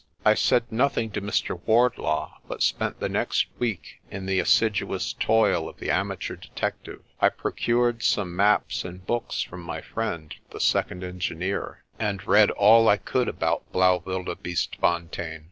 I said nothing to Mr. Wardlaw, but spent the next week in the assiduous toil of the amateur detective. I procured some maps and books from my friend, the second engineer, and read all I could about Blaauwildebeestefontein.